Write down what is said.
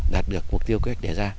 đạt được mục tiêu kế hoạch đề ra